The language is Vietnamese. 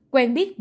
quen biết giang